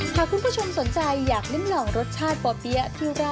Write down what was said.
ถ้าคุณผู้ชมสนใจอยากลืมลองรสชาติป่อเปี๊ยะ